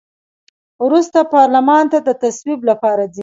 وروسته پارلمان ته د تصویب لپاره ځي.